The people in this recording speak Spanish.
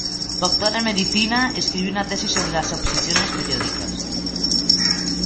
Doctor en medicina, escribió una tesis sobre las obsesiones periódicas.